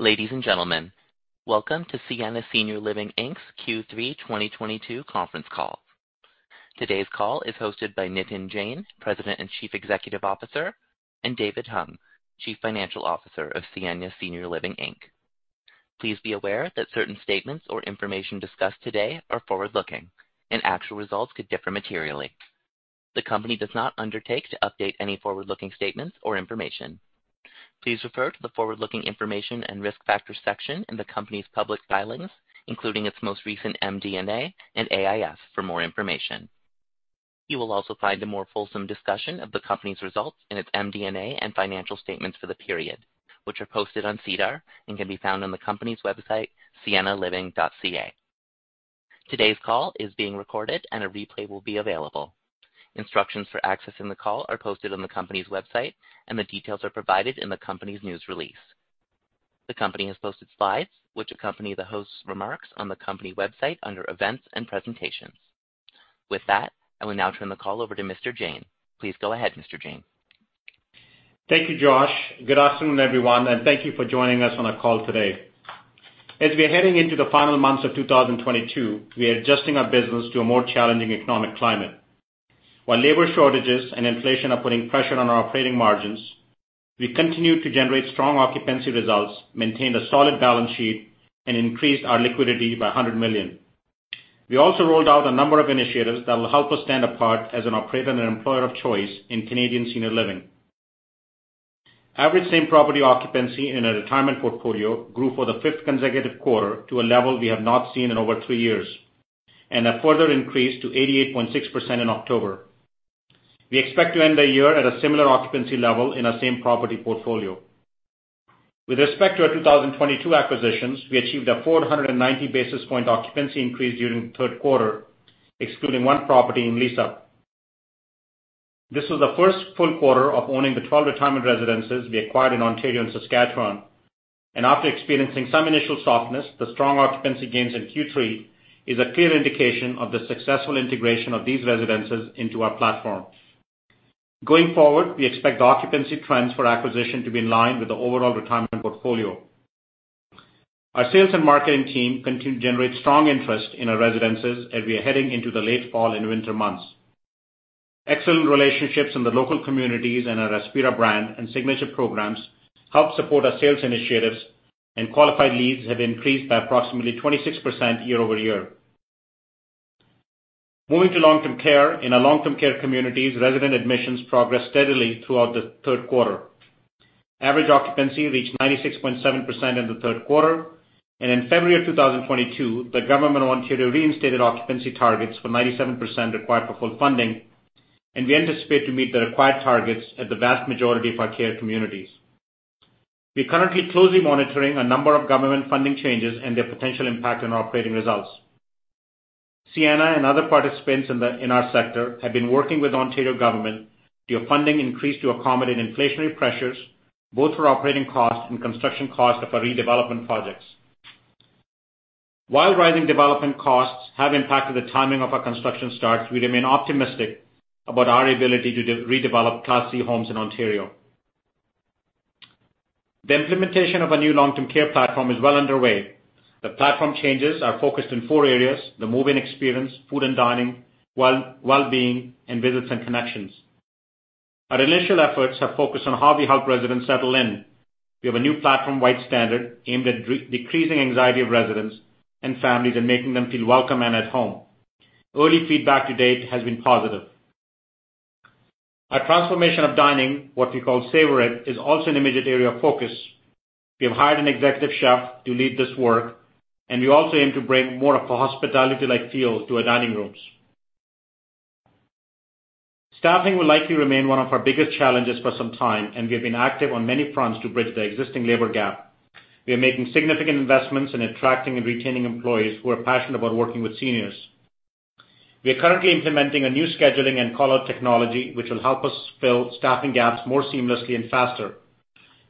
Ladies and gentlemen, welcome to Sienna Senior Living Inc.'s Q3 2022 conference call. Today's call is hosted by Nitin Jain, President and Chief Executive Officer, and David Hung, Chief Financial Officer of Sienna Senior Living Inc. Please be aware that certain statements or information discussed today are forward-looking, and actual results could differ materially. The company does not undertake to update any forward-looking statements or information. Please refer to the forward-looking information and risk factor section in the company's public filings, including its most recent MD&A and AIF for more information. You will also find a more fulsome discussion of the company's results in its MD&A and financial statements for the period, which are posted on SEDAR and can be found on the company's website, siennaliving.ca. Today's call is being recorded and a replay will be available. Instructions for accessing the call are posted on the company's website, and the details are provided in the company's news release. The company has posted slides which accompany the host's remarks on the company website under Events and Presentations. With that, I will now turn the call over to Mr. Jain. Please go ahead, Mr. Jain. Thank you, Josh. Good afternoon, everyone, and thank you for joining us on our call today. As we are heading into the final months of 2022, we are adjusting our business to a more challenging economic climate. While labor shortages and inflation are putting pressure on our operating margins, we continued to generate strong occupancy results, maintained a solid balance sheet, and increased our liquidity by 100 million. We also rolled out a number of initiatives that will help us stand apart as an operator and employer of choice in Canadian senior living. Average same-property occupancy in our retirement portfolio grew for the fifth consecutive quarter to a level we have not seen in over three years, and a further increase to 88.6% in October. We expect to end the year at a similar occupancy level in our same property portfolio. With respect to our 2022 acquisitions, we achieved a 490 basis point occupancy increase during the third quarter, excluding one property in lease-up. This was the first full quarter of owning the 12 retirement residences we acquired in Ontario and Saskatchewan. After experiencing some initial softness, the strong occupancy gains in Q3 is a clear indication of the successful integration of these residences into our platform. Going forward, we expect the occupancy trends for acquisition to be in line with the overall retirement portfolio. Our sales and marketing team continue to generate strong interest in our residences as we are heading into the late fall and winter months. Excellent relationships in the local communities and our Aspira brand and signature programs help support our sales initiatives, and qualified leads have increased by approximately 26% year-over-year. Moving to long-term care. In our long-term care communities, resident admissions progressed steadily throughout the third quarter. Average occupancy reached 96.7% in the third quarter. In February of 2022, the government of Ontario reinstated occupancy targets for 97% required for full funding, and we anticipate to meet the required targets at the vast majority of our care communities. We are currently closely monitoring a number of government funding changes and their potential impact on operating results. Sienna and other participants in our sector have been working with Ontario government to a funding increase to accommodate inflationary pressures, both for operating costs and construction costs of our redevelopment projects. While rising development costs have impacted the timing of our construction starts, we remain optimistic about our ability to redevelop Class C homes in Ontario. The implementation of our new long-term care platform is well underway. The platform changes are focused in four areas, the move-in experience, food and dining, well, wellbeing, and visits and connections. Our initial efforts have focused on how we help residents settle in. We have a new platform-wide standard aimed at decreasing anxiety of residents and families and making them feel welcome and at home. Early feedback to date has been positive. Our transformation of dining, what we call Savor It, is also an immediate area of focus. We have hired an executive chef to lead this work, and we also aim to bring more of a hospitality-like feel to our dining rooms. Staffing will likely remain one of our biggest challenges for some time, and we have been active on many fronts to bridge the existing labor gap. We are making significant investments in attracting and retaining employees who are passionate about working with seniors. We are currently implementing a new scheduling and call-out technology, which will help us fill staffing gaps more seamlessly and faster.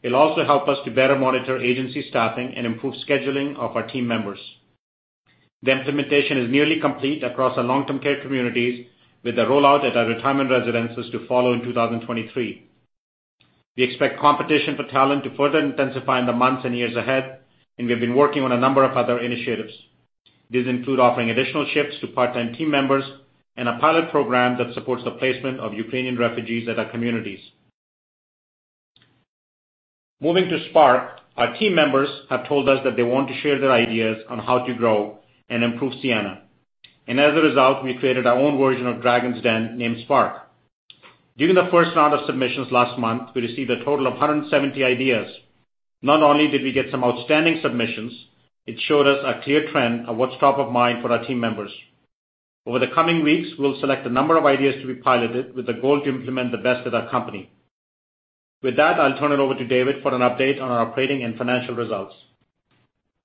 It'll also help us to better monitor agency staffing and improve scheduling of our team members. The implementation is nearly complete across our long-term care communities, with the rollout at our retirement residences to follow in 2023. We expect competition for talent to further intensify in the months and years ahead, and we have been working on a number of other initiatives. These include offering additional shifts to part-time team members and a pilot program that supports the placement of Ukrainian refugees at our communities. Moving to SPARK, our team members have told us that they want to share their ideas on how to grow and improve Sienna. As a result, we created our own version of Dragon's Den, named SPARK. During the first round of submissions last month, we received a total of 170 ideas. Not only did we get some outstanding submissions, it showed us a clear trend of what's top of mind for our team members. Over the coming weeks, we'll select a number of ideas to be piloted with the goal to implement the best at our company. With that, I'll turn it over to David for an update on our operating and financial results.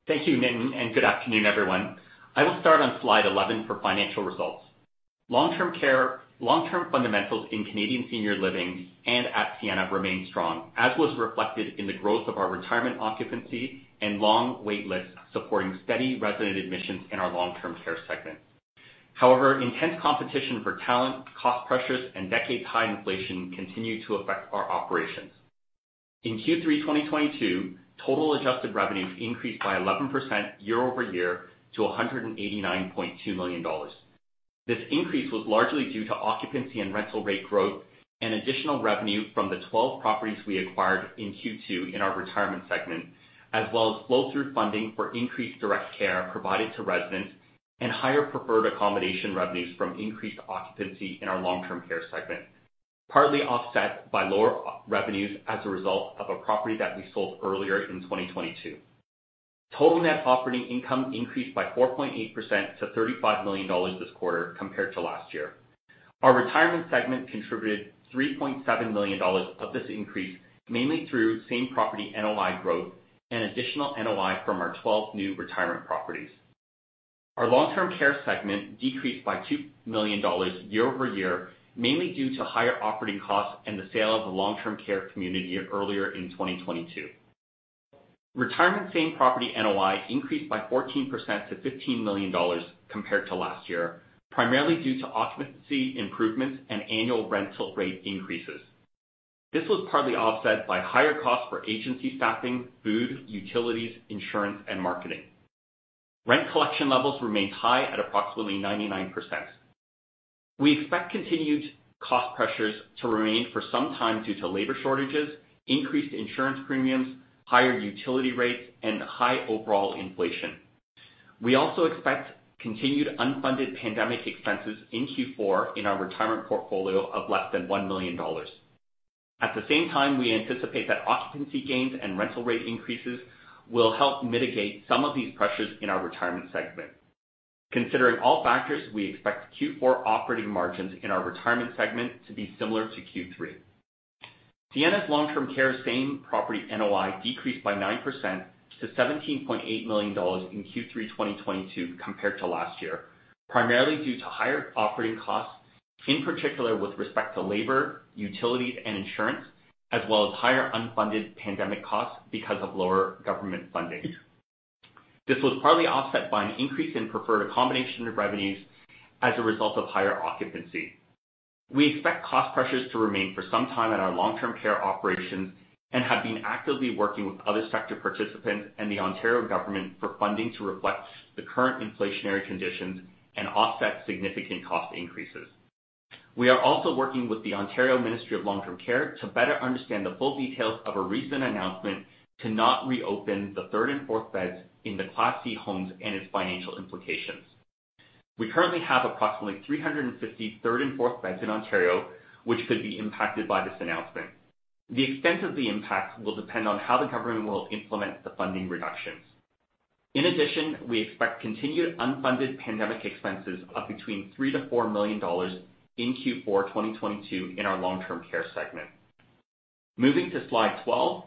Thank you, Nitin, and good afternoon, everyone. I will start on slide 11 for financial results. Long-term fundamentals in Canadian senior living and at Sienna remain strong, as was reflected in the growth of our retirement occupancy and long wait lists, supporting steady resident admissions in our long-term care segment. However, intense competition for talent, cost pressures, and decade-high inflation continue to affect our operations. In Q3 2022, total adjusted revenues increased by 11% year-over-year to 189.2 million dollars. This increase was largely due to occupancy and rental rate growth and additional revenue from the 12 properties we acquired in Q2 in our retirement segment, as well as flow-through funding for increased direct care provided to residents and higher preferred accommodation revenues from increased occupancy in our long-term care segment, partly offset by lower other revenues as a result of a property that we sold earlier in 2022. Total net operating income increased by 4.8% to 35 million dollars this quarter compared to last year. Our retirement segment contributed 3.7 million dollars of this increase, mainly through same property NOI growth and additional NOI from our 12 new retirement properties. Our long-term care segment decreased by 2 million dollars year-over-year, mainly due to higher operating costs and the sale of a long-term care community earlier in 2022. Retirement same property NOI increased by 14% to 15 million dollars compared to last year, primarily due to occupancy improvements and annual rental rate increases. This was partly offset by higher costs for agency staffing, food, utilities, insurance, and marketing. Rent collection levels remained high at approximately 99%. We expect continued cost pressures to remain for some time due to labor shortages, increased insurance premiums, higher utility rates, and high overall inflation. We also expect continued unfunded pandemic expenses in Q4 in our retirement portfolio of less than 1 million dollars. At the same time, we anticipate that occupancy gains and rental rate increases will help mitigate some of these pressures in our retirement segment. Considering all factors, we expect Q4 operating margins in our retirement segment to be similar to Q3. Sienna's long-term care same property NOI decreased by 9% to 17.8 million dollars in Q3 2022 compared to last year, primarily due to higher operating costs, in particular with respect to labor, utilities, and insurance, as well as higher unfunded pandemic costs because of lower government funding. This was partly offset by an increase in preferred accommodation revenues as a result of higher occupancy. We expect cost pressures to remain for some time at our long-term care operations and have been actively working with other sector participants and the Ontario government for funding to reflect the current inflationary conditions and offset significant cost increases. We are also working with the Ontario Ministry of Long-Term Care to better understand the full details of a recent announcement to not reopen the third and 4th beds in the Class C homes and its financial implications. We currently have approximately 350 3rd and 4th beds in Ontario, which could be impacted by this announcement. The extent of the impact will depend on how the government will implement the funding reductions. In addition, we expect continued unfunded pandemic expenses of between 3 million to 4 million dollars in Q4 2022 in our long-term care segment. Moving to slide 12.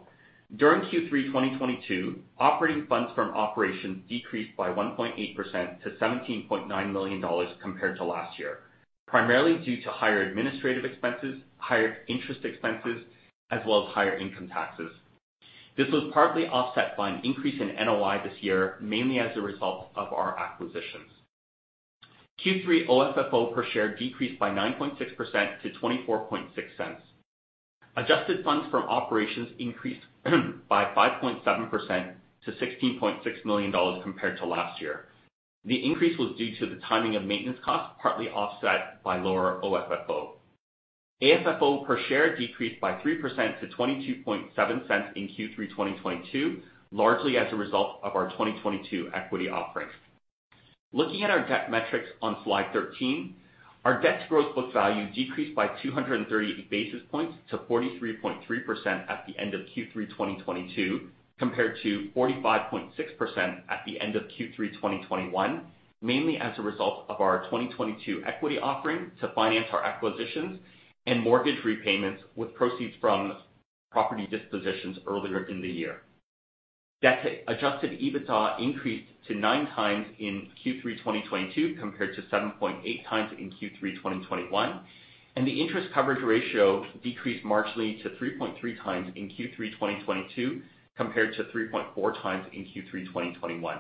During Q3 2022, operating funds from operations decreased by 1.8% to 17.9 million dollars compared to last year, primarily due to higher administrative expenses, higher interest expenses, as well as higher income taxes. This was partly offset by an increase in NOI this year, mainly as a result of our acquisitions. Q3 OFFO per share decreased by 9.6% to 0.246. Adjusted funds from operations increased by 5.7% to 16.6 million dollars compared to last year. The increase was due to the timing of maintenance costs, partly offset by lower OFFO. AFFO per share decreased by 3% to 0.227 in Q3 2022, largely as a result of our 2022 equity offerings. Looking at our debt metrics on slide 13. Our debt to gross book value decreased by 230 basis points to 43.3% at the end of Q3 2022, compared to 45.6% at the end of Q3 2021, mainly as a result of our 2022 equity offering to finance our acquisitions and mortgage repayments with proceeds from property dispositions earlier in the year. Debt to adjusted EBITDA increased to 9x in Q3 2022 compared to 7.8x in Q3 2021. The interest coverage ratio decreased marginally to 3.3x in Q3 2022 compared to 3.4x in Q3 2021.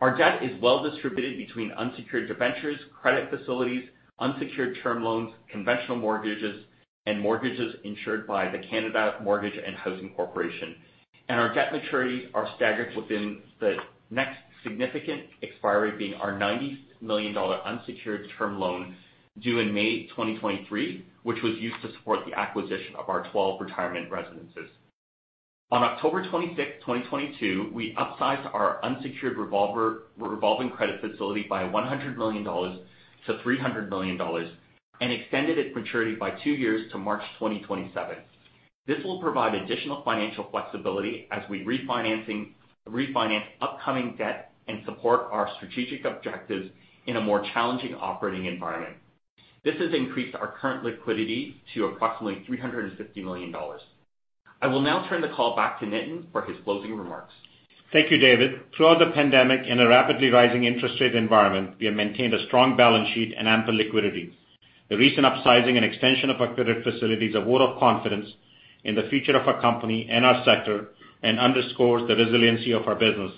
Our debt is well distributed between unsecured debentures, credit facilities, unsecured term loans, conventional mortgages, and mortgages insured by the Canada Mortgage and Housing Corporation. Our debt maturities are staggered within the next significant expiry being our 90 million dollar unsecured term loan due in May 2023, which was used to support the acquisition of our 12 retirement residences. On October 26, 2022, we upsized our unsecured revolving credit facility by 100 million dollars to 300 million dollars and extended its maturity by two years to March 2027. This will provide additional financial flexibility as we refinance upcoming debt and support our strategic objectives in a more challenging operating environment. This has increased our current liquidity to approximately 350 million dollars. I will now turn the call back to Nitin for his closing remarks. Thank you, David. Throughout the pandemic, in a rapidly rising interest rate environment, we have maintained a strong balance sheet and ample liquidity. The recent upsizing and extension of our credit facility is a vote of confidence in the future of our company and our sector and underscores the resiliency of our business.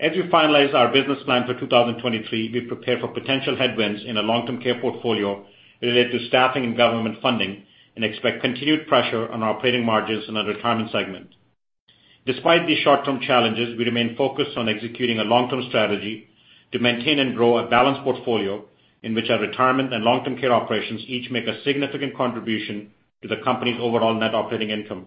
As we finalize our business plan for 2023, we prepare for potential headwinds in a long-term care portfolio related to staffing and government funding and expect continued pressure on our operating margins in our retirement segment. Despite these short-term challenges, we remain focused on executing a long-term strategy to maintain and grow a balanced portfolio in which our retirement and long-term care operations each make a significant contribution to the company's overall net operating income.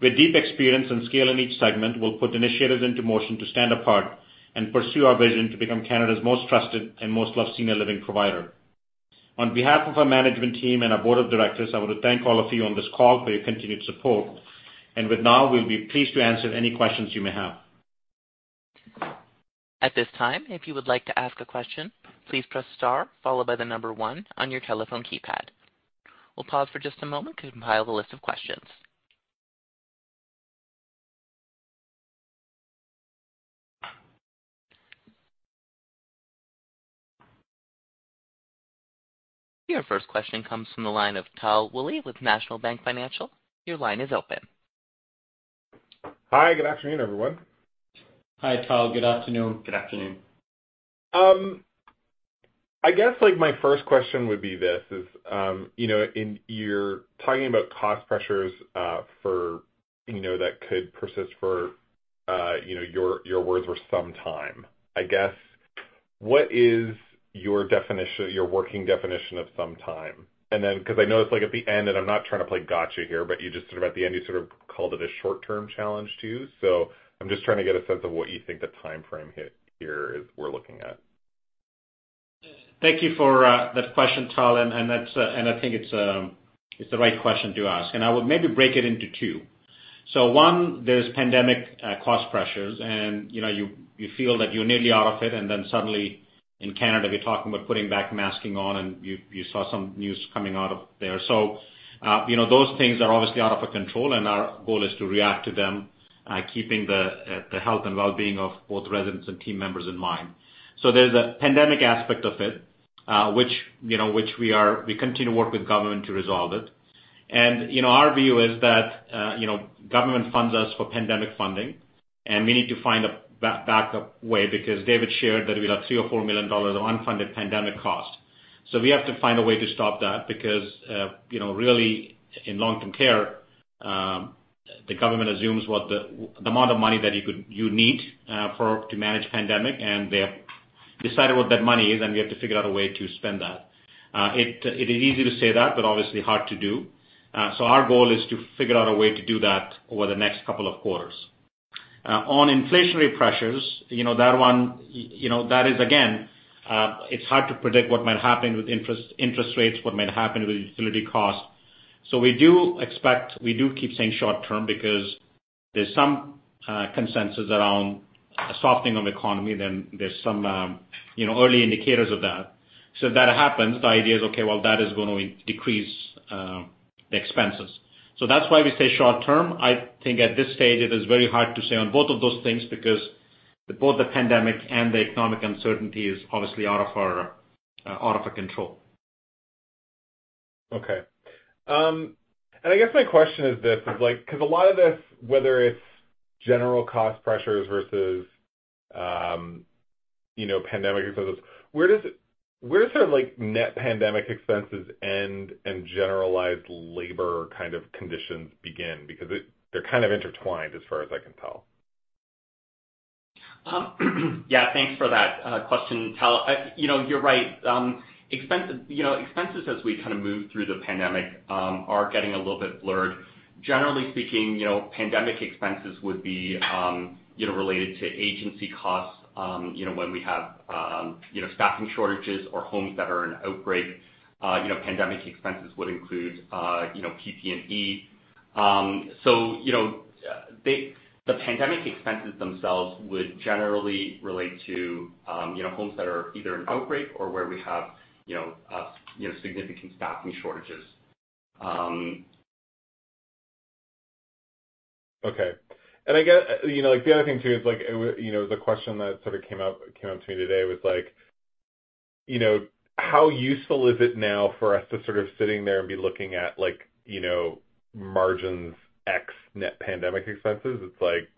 With deep experience and scale in each segment, we'll put initiatives into motion to stand apart and pursue our vision to become Canada's most trusted and most loved senior living provider. On behalf of our management team and our board of directors, I want to thank all of you on this call for your continued support. With now, we'll be pleased to answer any questions you may have. At this time, if you would like to ask a question, please press star followed by the number one on your telephone keypad. We'll pause for just a moment to compile the list of questions. Your first question comes from the line of Tal Woolley with National Bank Financial. Your line is open. Hi. Good afternoon, everyone. Hi, Tal. Good afternoon. Good afternoon. I guess, like, my first question would be this is, you know, you're talking about cost pressures for, you know, that could persist for, you know, your words were some time. I guess, what is your definition, your working definition of some time? And then, 'cause I know it's, like, at the end, and I'm not trying to play gotcha here, but you just sort of at the end, you sort of called it a short-term challenge, too. So I'm just trying to get a sense of what you think the timeframe here is we're looking at. Thank you for that question, Tal, and that's, and I think it's the right question to ask, and I would maybe break it into two. One, there's pandemic cost pressures and, you know, you feel that you're nearly out of it, and then suddenly in Canada, we're talking about putting back masks on, and you saw some news coming out of there. Those things are obviously out of our control, and our goal is to react to them, keeping the health and well-being of both residents and team members in mind. There's a pandemic aspect of it, which, you know, we continue to work with government to resolve it. Our view is that government funds us for pandemic funding, and we need to find a backup way because David shared that we had 3 million-4 million dollars of unfunded pandemic costs. We have to find a way to stop that because really in long-term care, the government assumes what the amount of money that you need to manage pandemic, and they have decided what that money is, and we have to figure out a way to spend that. It is easy to say that, but obviously hard to do. Our goal is to figure out a way to do that over the next couple of quarters. On inflationary pressures, you know, that one, you know, that is again, it's hard to predict what might happen with interest rates, what might happen with utility costs. We do keep saying short term because there's some consensus around a softening of economy, then there's some, you know, early indicators of that. If that happens, the idea is, okay, well, that is gonna decrease the expenses. That's why we say short term. I think at this stage, it is very hard to say on both of those things because both the pandemic and the economic uncertainty is obviously out of our control. Okay. I guess my question is this, is like, 'cause a lot of this, whether it's general cost pressures versus, you know, pandemic expenses, where does sort of like net pandemic expenses end and generalized labor kind of conditions begin? Because they're kind of intertwined as far as I can tell. Yeah, thanks for that question, Tal. You know, you're right. Expenses as we kind of move through the pandemic are getting a little bit blurred. Generally speaking, you know, pandemic expenses would be, you know, related to agency costs, you know, when we have, you know, staffing shortages or homes that are in outbreak, you know, pandemic expenses would include, you know, PPE. The pandemic expenses themselves would generally relate to, you know, homes that are either in outbreak or where we have, you know, significant staffing shortages. Okay, you know, like, the other thing too is like, you know, the question that sort of came up to me today was like, you know, how useful is it now for us to sort of sitting there and be looking at like, you know, margins ex net pandemic expenses? It's like,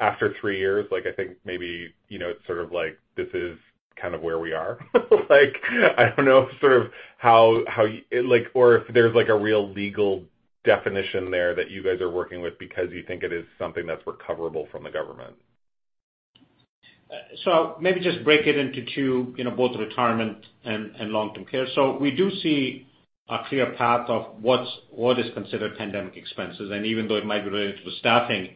after three years, like I think maybe, you know, it's sort of like this is kind of where we are. Like, I don't know sort of how you like, or if there's like a real legal definition there that you guys are working with because you think it is something that's recoverable from the government. Maybe just break it into two, you know, both retirement and long-term care. We do see a clear path of what's considered pandemic expenses. Even though it might relate to staffing,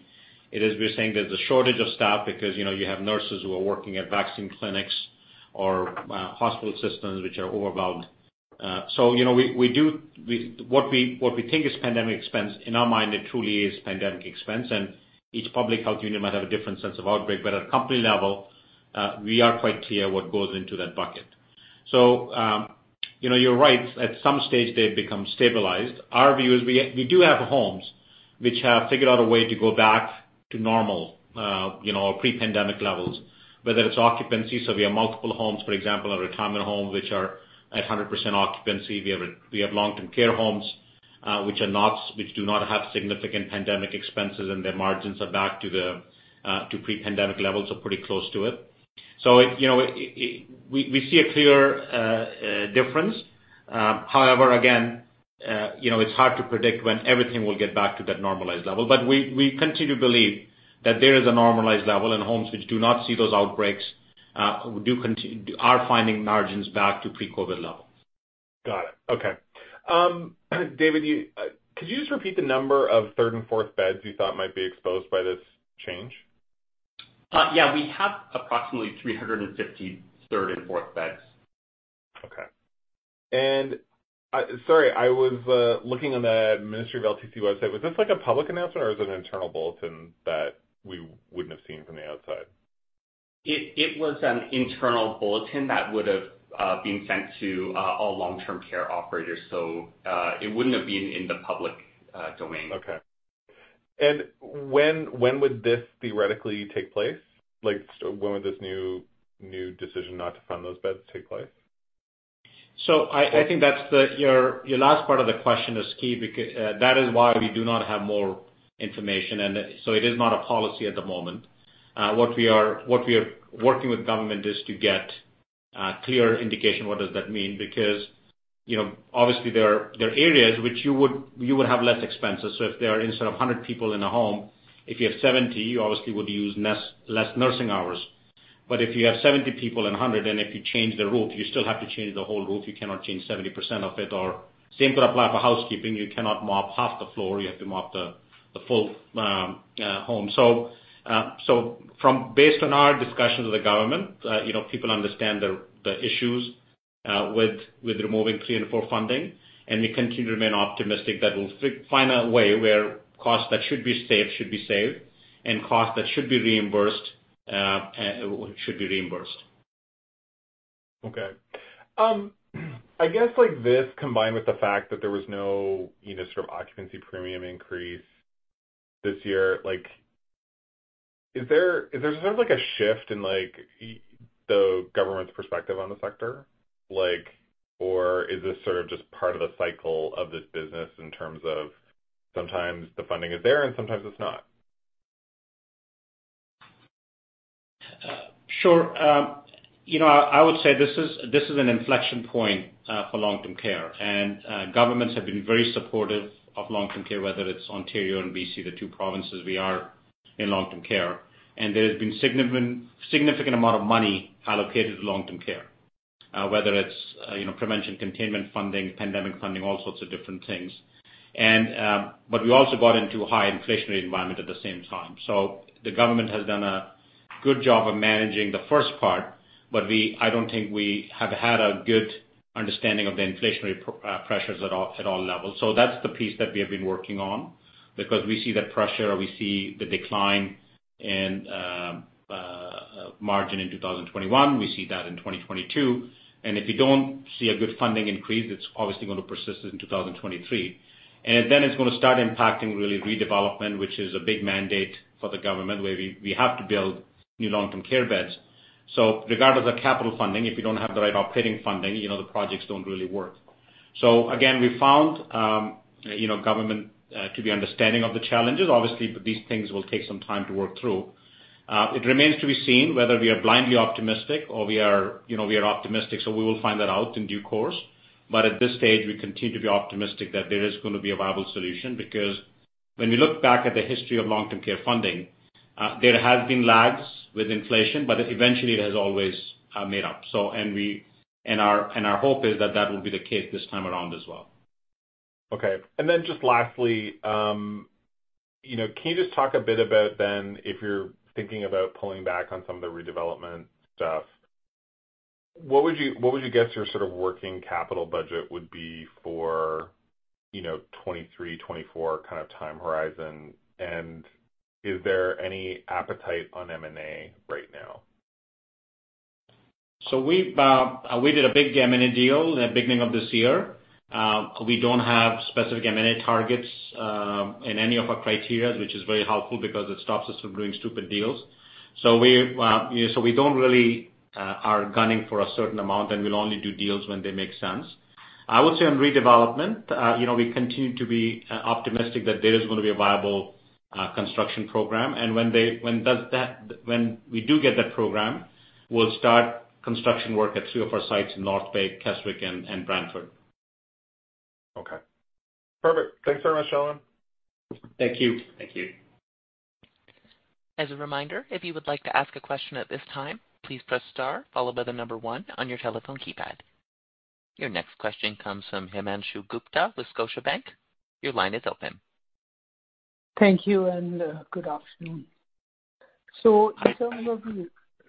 it is, we're saying there's a shortage of staff because, you know, you have nurses who are working at vaccine clinics or hospital systems which are overwhelmed. What we think is pandemic expense, in our mind, it truly is pandemic expense. Each public health unit might have a different sense of outbreak, but at a company level, we are quite clear what goes into that bucket. You know, you're right. At some stage, they've become stabilized. Our view is we do have homes which have figured out a way to go back to normal, you know, pre-pandemic levels, whether it's occupancy. We have multiple homes, for example, a retirement home, which are at 100% occupancy. We have long-term care homes, which do not have significant pandemic expenses, and their margins are back to the pre-pandemic levels or pretty close to it. You know, we see a clear difference. However, again, you know, it's hard to predict when everything will get back to that normalized level. We continue to believe that there is a normalized level in homes which do not see those outbreaks, are finding margins back to pre-COVID levels. Got it. Okay. David, could you just repeat the number of 3rd and 4th beds you thought might be exposed by this change? Yeah. We have approximately 350 3rd and 4th. Okay. Sorry, I was looking on the Ministry of LTC website. Was this like a public announcement or is it an internal bulletin that we wouldn't have seen from the outside? It was an internal bulletin that would've been sent to all long-term care operators, so it wouldn't have been in the public domain. Okay. When would this theoretically take place? Like, when would this new decision not to fund those beds take place? I think that's your last part of the question is key because that is why we do not have more information and so it is not a policy at the moment. What we are working with government is to get clear indication what does that mean. Because, you know, obviously there are areas which you would have less expenses. If there are instead of 100 people in a home, if you have 70 people, you obviously would use less nursing hours. But if you have 70 people and 100 people, and if you change the roof, you still have to change the whole roof. You cannot change 70% of it. Or same could apply for housekeeping. You cannot mop half the floor, you have to mop the full home. Based on our discussions with the government, you know, people understand the issues with removing three and four funding. We continue to remain optimistic that we'll find a way where costs that should be saved should be saved, and costs that should be reimbursed should be reimbursed. Okay. I guess like this combined with the fact that there was no, you know, sort of occupancy premium increase this year, like, is there sort of like a shift in like the government's perspective on the sector? Like, or is this sort of just part of the cycle of this business in terms of sometimes the funding is there and sometimes it's not? Sure. You know, I would say this is an inflection point for long-term care. Governments have been very supportive of long-term care, whether it's Ontario and BC, the two provinces we are in long-term care. There has been a significant amount of money allocated to long-term care, whether it's you know, prevention, containment funding, pandemic funding, all sorts of different things. We also got into a high inflationary environment at the same time. The government has done a good job of managing the first part, but I don't think we have had a good understanding of the inflationary pressures at all levels. That's the piece that we have been working on because we see the pressure, we see the decline in margin in 2021. We see that in 2022. If you don't see a good funding increase, it's obviously gonna persist in 2023. Then it's gonna start impacting really redevelopment, which is a big mandate for the government, where we have to build new long-term care beds. Regardless of capital funding, if you don't have the right operating funding, you know the projects don't really work. Again, we found, you know, government to be understanding of the challenges. Obviously, these things will take some time to work through. It remains to be seen whether we are blindly optimistic or we are, you know, we are optimistic. We will find that out in due course. At this stage, we continue to be optimistic that there is gonna be a viable solution. Because when we look back at the history of long-term care funding, there has been lags with inflation, but eventually it has always made up. Our hope is that that will be the case this time around as well. Okay. Just lastly, you know, can you just talk a bit about then if you're thinking about pulling back on some of the redevelopment stuff, what would you guess your sort of working capital budget would be for, you know, 2023, 2024 kind of time horizon? Is there any appetite on M&A right now? We did a big M&A deal at the beginning of this year. We don't have specific M&A targets in any of our criteria, which is very helpful because it stops us from doing stupid deals. We're not really gunning for a certain amount, and we'll only do deals when they make sense. I would say on redevelopment, you know, we continue to be optimistic that there is gonna be a viable construction program. When we do get that program, we'll start construction work at three of our sites in North Bay, Keswick and Brantford. Okay. Perfect. Thanks very much, Nitin. Thank you. Thank you. As a reminder, if you would like to ask a question at this time, please press star followed by the number one on your telephone keypad. Your next question comes from Himanshu Gupta with Scotiabank. Your line is open. Thank you and good afternoon. In terms of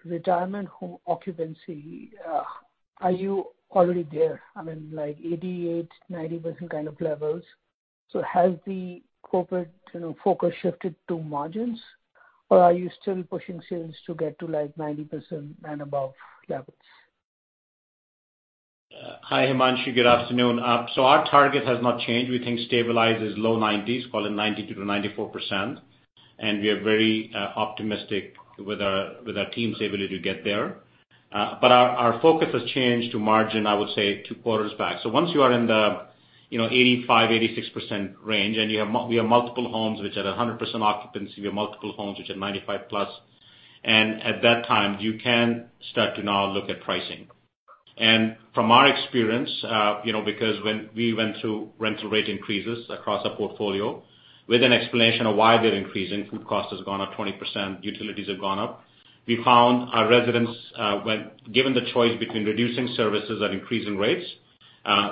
retirement home occupancy, are you already there? I mean, like 88, 90% kind of levels. Has the corporate, you know, focus shifted to margins, or are you still pushing sales to get to like 90% and above levels? Hi, Himanshu. Good afternoon. Our target has not changed. We think stabilized is low 90s%, call it 90%-94%. We are very optimistic with our team's ability to get there. Our focus has changed to margin, I would say two quarters back. Once you are in the, you know, 85%-86% range, we have multiple homes which are at 100% occupancy. We have multiple homes which are 95+%. At that time, you can start to now look at pricing. From our experience, you know, because when we went through rental rate increases across our portfolio with an explanation of why they're increasing, food cost has gone up 20%, utilities have gone up. We found our residents when given the choice between reducing services and increasing rates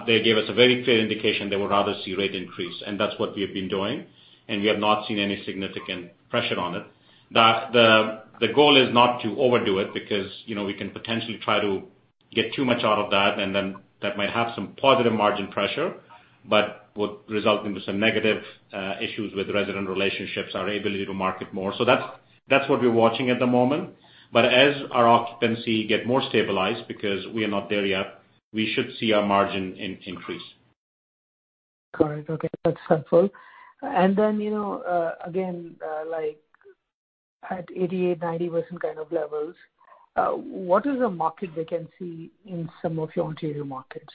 they gave us a very clear indication they would rather see rate increase, and that's what we have been doing, and we have not seen any significant pressure on it. The goal is not to overdo it because, you know, we can potentially try to get too much out of that and then that might have some positive margin pressure, but would result into some negative issues with resident relationships, our ability to market more. That's what we're watching at the moment. As our occupancy get more stabilized, because we are not there yet, we should see our margin increase. Got it. Okay, that's helpful. Then, you know, again, like at 88%-90% kind of levels, what is the market vacancy in some of your Ontario markets?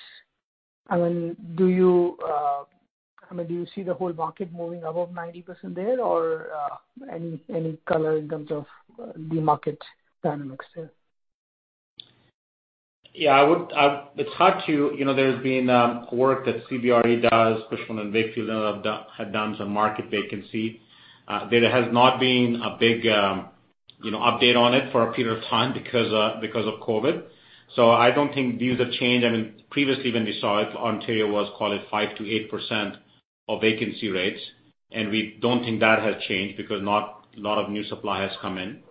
I mean, do you see the whole market moving above 90% there or any color in terms of the market dynamics there? Yeah, I would. You know, there's been work that CBRE does, Cushman & Wakefield have done some market vacancy. There has not been a big, you know, update on it for a period of time because of COVID. I don't think these have changed. I mean, previously when we saw it, Ontario was call it 5%-8% vacancy rates, and we don't think that has changed because not a lot of new supply has come in.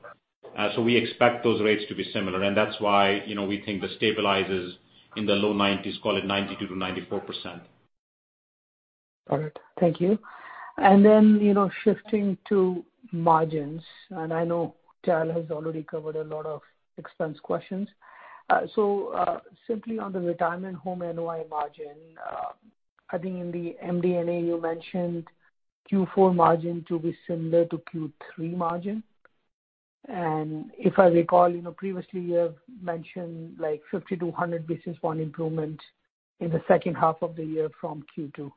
We expect those rates to be similar, and that's why, you know, we think the stabilized is in the low 90s%, call it 92%-94%. All right. Thank you. You know, shifting to margins, and I know Tal Woolley has already covered a lot of expense questions. Simply on the retirement home NOI margin, I think in the MD&A, you mentioned Q4 margin to be similar to Q3 margin. If I recall, you know, previously you have mentioned like 50-100 basis point improvement in the second half of the year from Q2.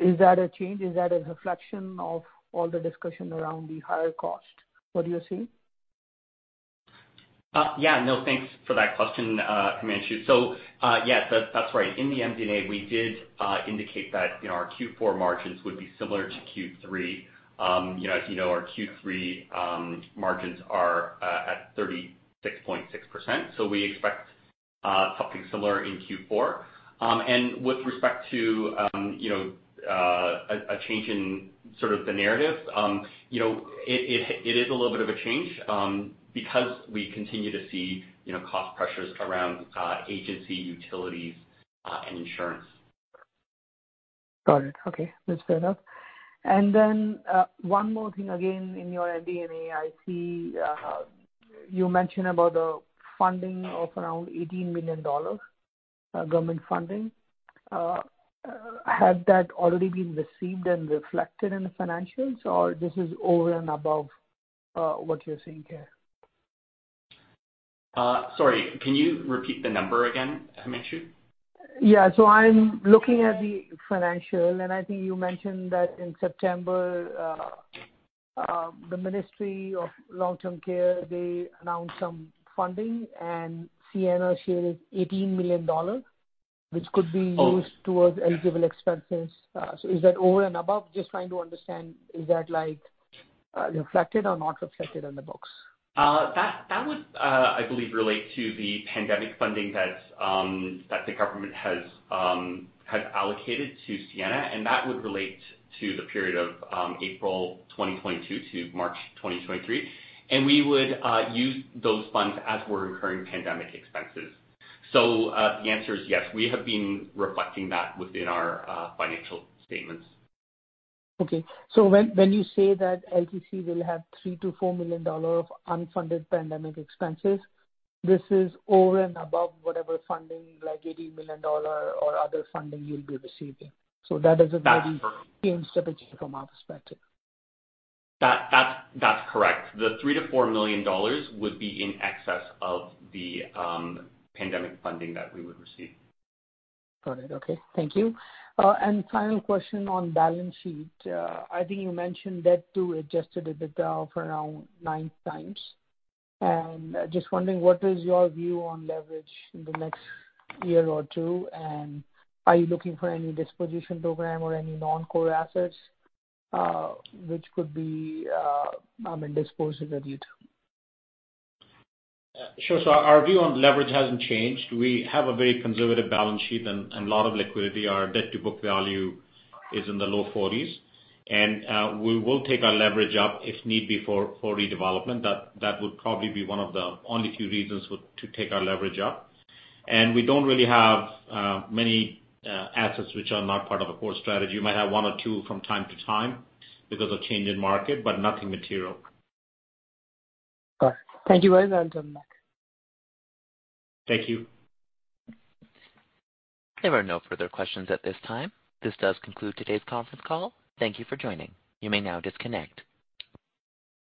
Is that a change? Is that a reflection of all the discussion around the higher cost, what you're seeing? Yeah, no, thanks for that question, Himanshu. Yes, that's right. In the MD&A, we did indicate that, you know, our Q4 margins would be similar to Q3. You know, as you know, our Q3 margins are at 36.6%. We expect something similar in Q4. With respect to, you know, a change in sort of the narrative, you know, it is a little bit of a change, because we continue to see, you know, cost pressures around agency utilities, and insurance. Got it. Okay, that's fair enough. One more thing, again, in your MD&A, I see you mentioned about the funding of around 18 million dollars, government funding. Had that already been received and reflected in the financials or this is over and above what you're seeing here? Sorry, can you repeat the number again, Himanshu? Yeah. I'm looking at the financial, and I think you mentioned that in September, the Ministry of Long-Term Care, they announced some funding and Sienna shared 18 million dollars which could be used. Oh. Towards eligible expenses. Is that over and above? Just trying to understand, is that like, reflected or not reflected on the books? That would, I believe, relate to the pandemic funding that the government has allocated to Sienna, and that would relate to the period of April 2022 to March 2023. We would use those funds as we're incurring pandemic expenses. The answer is yes. We have been reflecting that within our financial statements. When you say that LTC will have 3-4 million dollar of unfunded pandemic expenses, this is over and above whatever funding, like 18 million dollar or other funding you'll be receiving. That is a very- That's correct. endgame strategy from our perspective. That's correct. The 3 million-4 million dollars would be in excess of the pandemic funding that we would receive. Got it. Okay. Thank you. Final question on balance sheet. I think you mentioned debt to adjusted EBITDA for around 9x. Just wondering what is your view on leverage in the next year or two, and are you looking for any disposition program or any non-core assets, which could be, I mean, disposed if needed? Sure. Our view on leverage hasn't changed. We have a very conservative balance sheet and a lot of liquidity. Our debt to book value is in the low forties. We will take our leverage up if need be for redevelopment. That would probably be one of the only few reasons to take our leverage up. We don't really have many assets which are not part of the core strategy. We might have one or two from time to time because of change in market, but nothing material. All right. Thank you very much. I'll jump back. Thank you. There are no further questions at this time. This does conclude today's conference call. Thank you for joining. You may now disconnect.